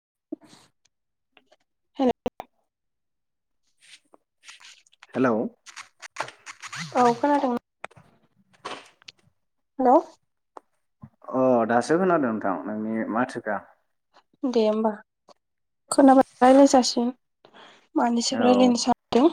[inaudible] हेल' hello औ खोनादोंना hello अ दासो खोनादों नोंथां नोंनि माथोखो दे होमबा खोनाबाय रायज्लायजासिगोन मानि सायाव औ रायज्लायनो सानदों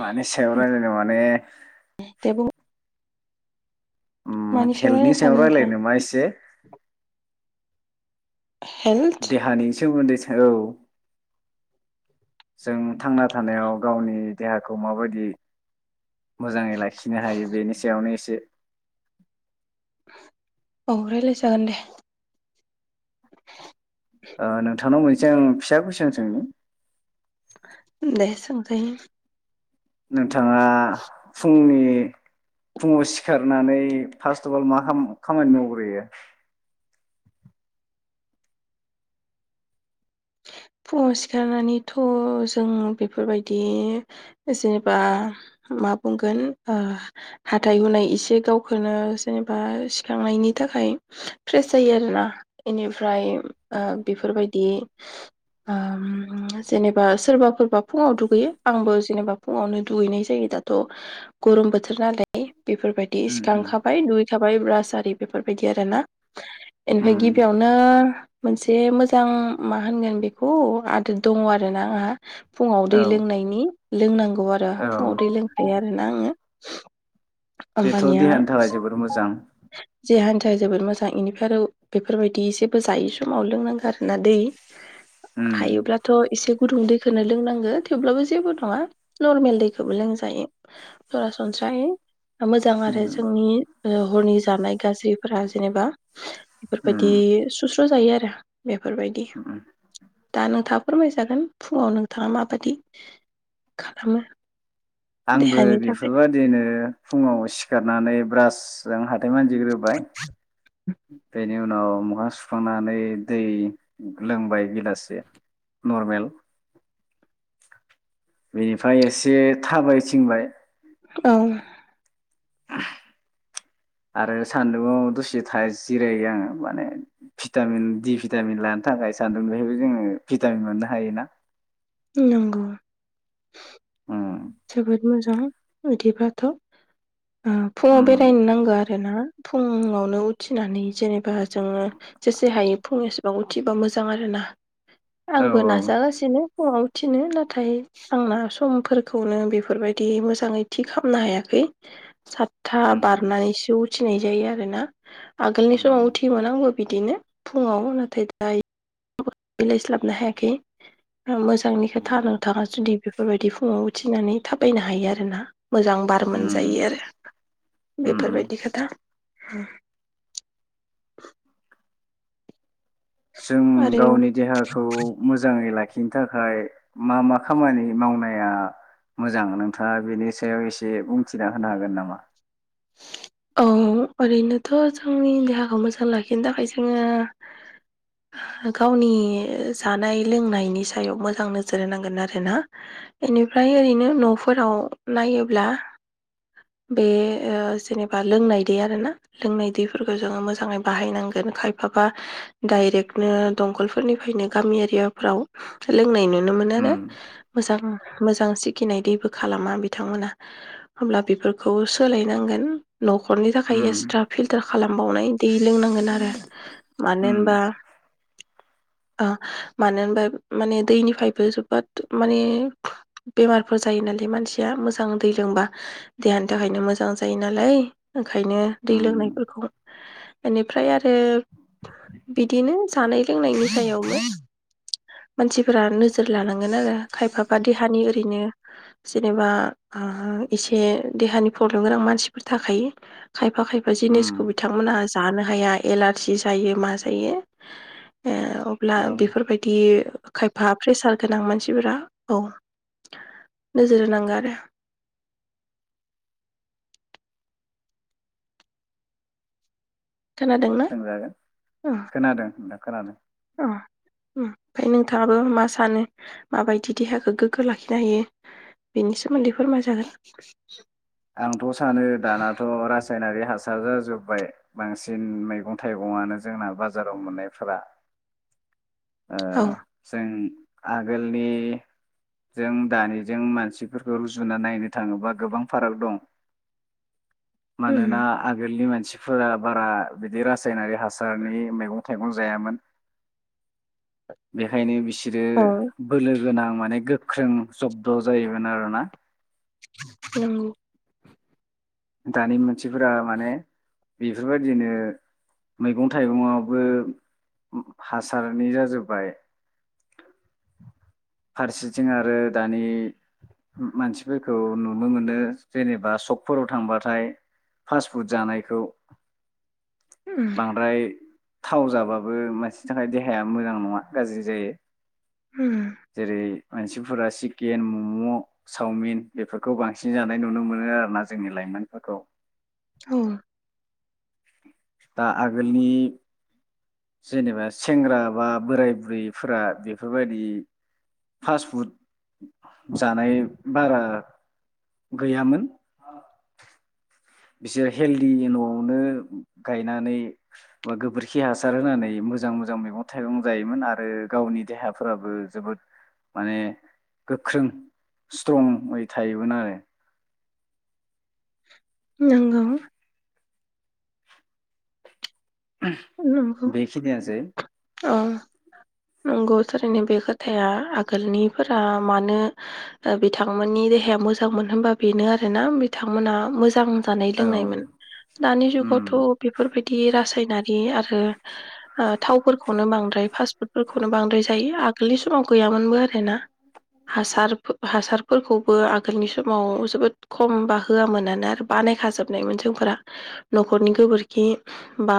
मानि सायाव रायज्लायनो माने दे बुं ओ मानि खेलनि रायज्लायनो सायाव सानदों रायलायनो नोंथाङा नामा एसे हेल्थ देहानि सोमोन्दै औ जों थांना थानायाव गावनि देहाखौ माबायदि मोजाङै लाखिनो हायो बेनि सायावनो एसे औ रायलाय जागोन दे। ओ नोंथांनाव मोन जों फिसा खुइसन सोंनि। दे सोंजायो। नोंथा थाङा फुंनि फुङाव सिखारनानै फार्स्ट अ बल मा खामानि मावग्रोयो? फुङाव सिखारनानैथ' जों बेफोर बायदि जेनेबा मा बुंगोन ओ हाथाइ हुनाय एसे गावखौनो जेनेबा सिखारांनायनि थाखाय फ्रेस जायो आरोना इनिफ्राय बेफोर बायदि ओम जेनेबा सोरबाफोरबा फुङाव दुगैयो आंबो जेनेबा फुङावनो दुगैनाय जायो दाथ' गरम बोथोर नालाय। बेफोरबायदि उम उम सिखांखाबाय दु थाबाय ब्रासारि बेफोर बायदि आरोना बेनिफ्राय उम गिबियावनो मोनसे मोजां मा होनगोन बेखौ आदोद दङ आरो ना आंहा। फुङाव दै औ लोंनायनि लोंनांगौ आरो औ फुङाव दै लोंखायो आरोना आङो। [inaudible] बेथ' होमबानिया देहानि थाखाय जोबोर मोजां देहानि थाखाय जोबोद मोजां बेनिफ्राय आरो बेफोरबायदि एसेबो जायै समाव लोंनांगौ आरोना दै। उम हायोब्लाथ' एसे गुदुं दैखौनो लोंनांगो थेवब्लाबो जेबो नङा नर्मेल दैखौबो लोंजायो सरासनस्रायै मोजां उम आरो जोंनि हरनि जानाय गाज्रिफोरा जेनेबा उम बेफोरबायदि सुस्र' जायो आरो बेफोरबायदि। उम दा नोंथाङा फोरमायजागोन फुङाव नोंथाङा माबादि खालामो। आंबो देहानि थाखाय बेफोर बायदिनो फुङाव सिखारनानै ब्रास जों हाथाइ मानज ग्रोबाय बेनि उनाव मोखां सुखांनानै दै लोंबाय गिलासे नर्मेल। बेनिफ्राय एसे थाबाय थिंबाय। औ आरो सान्दुङाव दसे था जिरायो आङो माने भिटामिन दि भिटामिन लानो थाखाय सान्दुं बेहायबो जोङो भिटामिन मोननो हायोना‌। नंगौ। ओम जोबोद मोजां बिदिबाथ' ओ फुङाव उम बेरायनो नांगौ आरो ना। फुङावनो उथिनानै जेनेबा जोङो जेसे हायो फुंनि उथिबा मोजां आरो ना औ आंबो नाजागासिनो फुङाव उथिनो नाथाय आंना समफोर खौनो बेफोरबायदि मोजाङै थि खालामनो हायाखै सातथा उम बारनानैसो उथिनाय जायो आरोना आगोलनि उम समाव' उथियोमोन आंबो बिदिनो फुङाव नाथाय दायो देलाय स्लाबनो हायाखै मोजांनि खोथा उम नोंथाङा जुदि बेफोरबायदि फुङाव उथिनानै थाबायनो हायो आरो ना मोजां बार मोनजायो उम आरो उम उम बेफोरबायदि खोथा [inaudible] जों आरो गावनि देहाखौ मोजाङै लाखि लाखिनो थाखाय मा मा खामानि मावनाया मोजां नोंथाङा बेनि सायाव एसे बुंथिना होनो हागोन नामा औ ओरैनोथ' जोंनि देहाखौ मोजां लाखिनो थाखाय जोङो गावनि जानाय लोंनायनि सायाव मोजां नोजोर होनांगोन आरोना बेनिफ्राय ओरैनो न'फोराव नायोब्ला बे ओ जेनेबा लोंनाय दै आरोना लोंनाय दैफोरखौ जोङो मोजाङै बाहायनांगोन खायफाबा डाइरेक्टनो दंखलफोरनिफ्रायनो गामि एरियाफ्राव लोंनाय नुनो मोन आरो उम मोजां मोजां सिखिनाय दैबो खालामा बिथांमोना होमब्ला बेफोरखौ सोलायनांगोन न'खरनि थाखाय उम एक्सट्रा फिल्टार खालामबावनाय दै लोंनांगोन आरो मानो उम होनबा अ मानो होनबा माने दैनिफ्रायबो जोबोद माने बेमारफोर जायो नालाय मानसिया मोजां दै लोंबा देहानि थाखायनो मोजां मोजां जायोनालाय ओंखायनो दै उम लोंनायफोरखौ बेनिफ्राय आरो बिदिनो जानाय लोंनायनि सायावबो मानसिफोरा नोजोर लानांगोन आरो खायफाबा देहानि ओरैनो जेनेबा एसे देहानि प्रब्लेम गोनां मानसिफोर थाखायो खायफा खायफा उम जिनिसखौ बिथांमोनहा जानो हाया एलारजि जायो मा जायो ओ अब्ला औ बेफोरबायदि खायफा बा प्रेसार गोनां मानसिफोरा औ नोजोर होनांगौ आरो खोनादोंना सोंजागोन खोनादों नोंथां खोनादों ओमफाय नोंथाङाबो मा सानो माबायदि देहाखौ गोग्गो लाखिनो हायो बेनि सोमोन्दै फोरमाय जागोन आंथ' सानो दानाथ' रासायनारि हासार जाजोब्बाय बांसिन मैगं थाइगङानो जोंना बाजाराव मोननायफोरा ओ औ जों आगोलनि जों दानिजों मानसिफोरखौ रुजुना नायनो थाङोबा गोबां फाराग दं उम मानोना आगोलनि मानसि फोर बारा बिदि रासायनारि हासारनि मैगं थाइगं जायामोन बेखायनो औ बिसोरो लो गोनां माने गोख्रों जब्द' जायोमोन आरोना। नोंगौ दानि मानसिफोरा माने बेफोरबायदिनो मैगं-थाइगंङावबो हासारनि जाजोब्बाय फारसेथिं आरो दानि मानसिफोरखौ नुनो मोनो जेनेबा सकफोराव थांबाथाय फास्ट फुड जानायखौ। उम बांद्राय थाव जाबाबो मानसिनि थाखाय देहाया मोजां नङा गाज्रि जायो। उम जेरै मानसिफोरा चिकेन मम' चावमिन बेफोरखौ बांसिन जानाय नुनो मोनो आरोना। जोंनि लाइमोनफोरखौ औ। दा आगोलनि जेनेबा सेंग्रा बा बोराय बुरैफोरा बेफोरबायदि फास्टफुड जानाय बारा गैयामोन। बिसोर हेल्दि न'आवनो गायनानै बा गोबोरखि हासार होनानै मोजां मोजां मैगं-थाइगं जायोमोन आरो गावनि देहाफोराबो जोबोद माने गोख्रों स्ट्रंयै थायोमोन आरो नोंगौ। नंगौ बेखिनियानोसै। औ नंगौ थारैनो बे खोथाया आगोलनिफोरा मानो बिथांमोननि देहाया मोजां मोन होनबा बेनो आरोना बिथांमोना मोजां जानाय औ लोंनायमोन दानि उम जुगाव थ' बेफोरबायदि रासाय आरि आओ थावफोरख खौनो बांद्राय फास्टफुडफोरखौनो बांद्राय जायो आगोलनि समाव गैयामोनबो आरो ना हासार हासारफोरखौबो आगोलनि समाव जोबोद खमबा होआमोनानो आरो बानायखाजोबनायमोन जोंफोरा न'खरनि गोबोरखि बा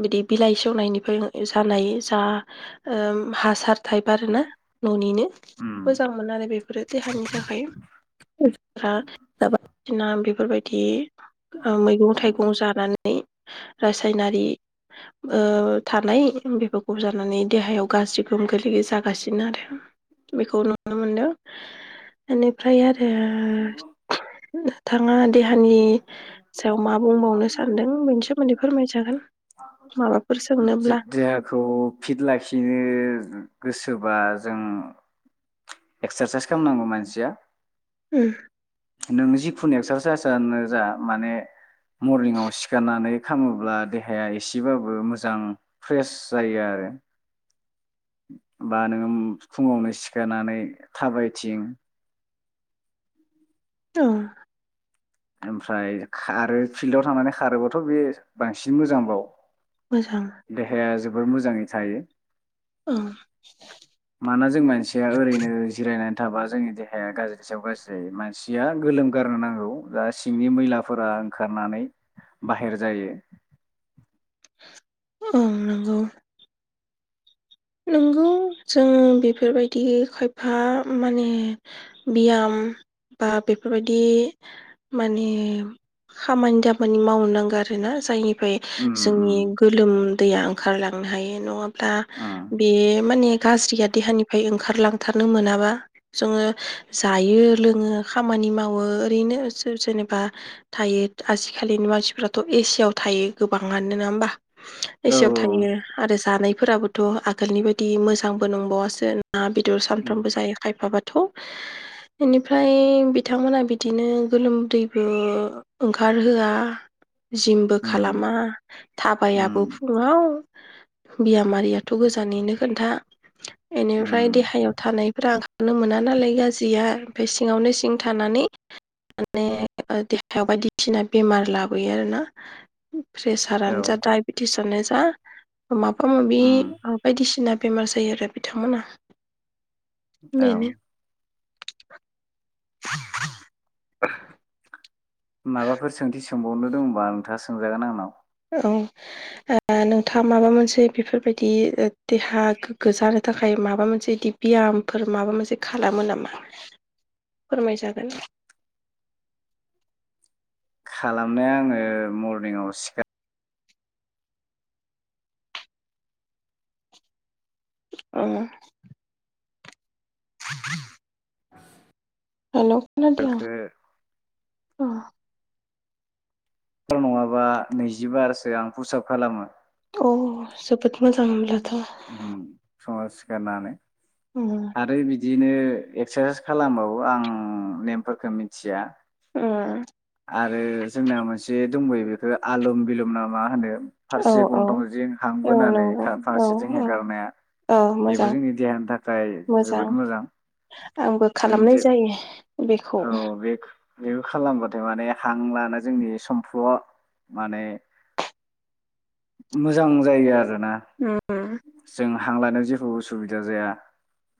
बिदि बिलाइ सेवनायनिफ्राय जानाय जा ओम हासार टाइप आरो ना। न'निनो उम मोजां मोनो आरो बेफोरो देहानि थाखायफाबा बिदिनो बेफोर बायदि ओ मैगं-थाइगं जानानै [unintelligible] रासायनारि ओ थानाय बेफोरखौ जानानै देहायाव गाज्रि गोहोम गोलैयो जागासिनो आरो बेखौ नुनो मोनदों बेनिफ्राय आरो ए थांङा देहानि सायाव मा बुंबावनो सानदों बेनि सोमोन्दै फोरमायजागोन माबाफोर सोंनोब्ला? खौ फिट लाखिनो गोसोबा जों एक्सारसाइस खालामनांगौ मानसिया। उम नों जिखुनु एक्सारसाइसआनो जा माने मरनिंआव सिखारनानै खालामोब्ला देहाया एसेबाबो मोजां फ्रेस जायो आरो बा नोङो फुङावनो सिखारनानै थाबायथिं। औ ओमफ्राय खारो फिल्डआव थांनानै खारोबाथ बे बांसिन मोजांबाव मोजां देहाया जोब बोर मोजाङै थायो औ माना जों मानसिया ओरैनो जिरायनानै थाबा जोंनि देहाया गाज्रि सायाव गाज्रि जायो मानसिया गोलोम गारनो नांगौ दा सिंनि मैलाफोरा ओंखारनानै बाहेर जायो औ नंगौ नोंगौ जों बेफोरबायदि खायफा माने बियाम बा बेफोरबायदि माने खामानि दामानि मावनो नांगौ आरो ना जायनि फ्राय उम जोंनि उम गोलोमदैया ओंखारलांनो हायो नङाब्ला उम बे माने गाज्रिया देहानिफ्राय ओंखारलांथारनो मोनाबा जोङो जायो लोङो खामानि मावो ओरैनो जेनेबा थायो आजिखालिनि मानसिफ्राथ एसियाव थायो गोबाङानो नोङा होनबा औ एसियाव थायो आरो जानाय फोराबोथ आ आगोलनि बायदि मोजांबो नंबावासो ना बेदर उम सानफ्रामबो जायो खायफाबाथ बेनिफ्राय बिथांमोनहा बिदिनो गोलोमदैबो ओंखारहोआ जिमबो उम खालामा उम थाबायाबो फुङाव बियाम आरियाथ गोजान जाननिनो खोन्था बेनिफ्राय उम देहायाव थानायफोरा ओंखारनो मोना नालाय गाज्रिया ओमफ्राय सिङावनो सिं थानानै माने देहायाव बायदिसिना बेमार लाबोयो आरो ना औ प्रेसारानो जा दडाइबेटिसानो जा माबा उम माबि सिना बेमार जायो आरो बिथांमोना औ बेनो [inaudible] [inaudible] माबाफोर सोंथि सों सोंबावनो दंबा नोंथाङा सोंजागोन आंनाव औ ओ नोंथाङा माबा मोनसे बेफोरबायदि देहा गोग्गो जानो थाखाय माबा मोनसे बिदि बियामफोर माबा मोनसे खालामो नामा फोरमाय जागोन खालामनाया आङो मरनिंआव सिखार अ हेलौ खोनादिया सिखारखो अ फोर नङाबा नैजिबारसो आं फुसाब खालामो औ जोबोद मोजां बिदिब्ला उम समाज गारनानै आरो बिद बिदिनो एक्सारसाइस खालामबावो आं नेमफोरखौ मिथिया उम आरो जोंना मोनसे दंबयो बेखौ आलम बिलुम ना मा होनो औ फारसे औ गन्थंजों औ हांबोनानै नंगौ औ फारसेथिं औ हेगारनाया औ बेबो मोजां जोंनि देहानि थाखाय ओइ जोबोद मोजां आंबो जों खालामनाय जे जायो बेखौ औ बे बे खालामबाथाय माने हां लानो जोंनि समफ्ल माने मोजां जायो आरो। आरोना जोंङा। हांलानायाव जेबो उसुबिदा जाया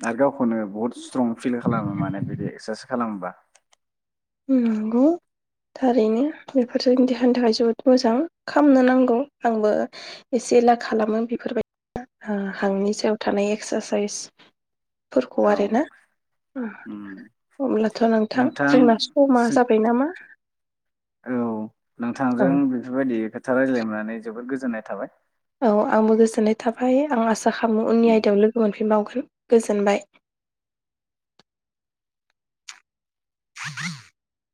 आरो गावखौनो बुहुद स्ट्रं फिल खालामो माने बिदि। खालामोबा। नंगौ थारैनो बेफोरजों देहानि थाखाय जोबोद मोजां खालामामनो नांगौ आंबो एसे एला खालामो बेफोरबायदि हांनि सायाव थानाय एक्सारसाइस। फोरखौ आरोना औ उम। अब्लाथ' नोंथां जोंना समा जों जाबाय नामा औ नोंथांजों बेफोरबाय ओ खोथा रायज्लायनानै जोबोद गोजोन्नाय थाबाय। औ आंबो गोजोननाय थाबाय आं आसा खालामो उननि उम। आयदायाव लोगो मोनफिनबावगोन। ओ गोजोनबाय। [inaudible]